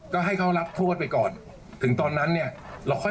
ก็ให้เขารับโทษไปก่อนถึงตอนนั้นเนี่ยเราค่อย